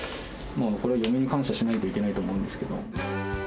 これは嫁に感謝しないといけないと思うんですけど。